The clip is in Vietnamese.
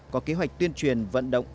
có kế hoạch tuyên truyền vận động